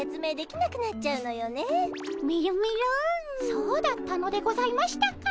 そうだったのでございましたか。